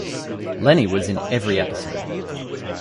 Lennie was in every episode.